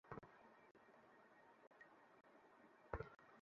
আমি ওদিকে বসতে পারি?